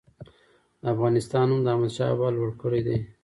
د افغانستان نوم د احمدشاه بابا لوړ کړی دی.